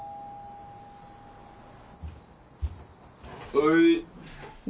はい。